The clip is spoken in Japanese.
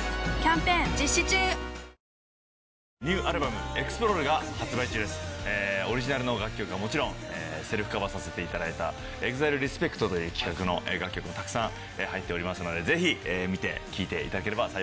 ニトリオリジナルの楽曲はもちろんセルフカバーさせていただいたＥＸＩＬＥＲＥＳＰＥＣＴという企画の楽曲もたくさん入っておりますのでぜひ見て聴いていただければ幸いです。